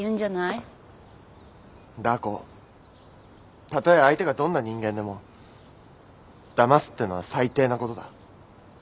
ダー子たとえ相手がどんな人間でもだますってのは最低なことだ。